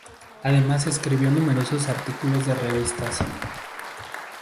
Además, escribió numerosos artículos en revistas.